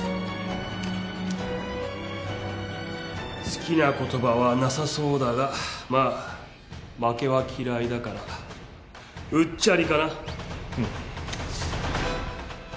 好きな言葉はなさそうだがまあ負けは嫌いだから「うっちゃり」かな。